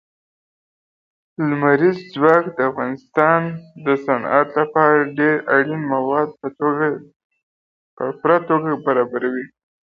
لمریز ځواک د افغانستان د صنعت لپاره ډېر اړین مواد په پوره توګه برابروي.